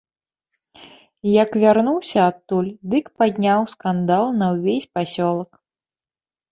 Як вярнуўся адтуль, дык падняў скандал на ўвесь пасёлак.